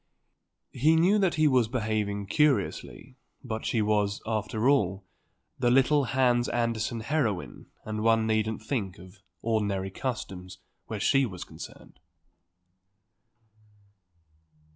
He knew that he was behaving curiously; but she was, after all, the little Hans Andersen heroine and one needn't think of ordinary customs where she was concerned.